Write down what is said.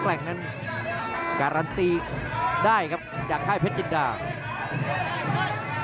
อื้อหือจังหวะขวางแล้วพยายามจะเล่นงานด้วยซอกแต่วงใน